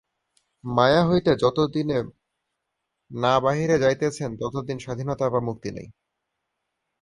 মায়া হইতে যতদিন না বাহিরে যাইতেছেন, ততদিন স্বাধীনতা বা মুক্তি নাই।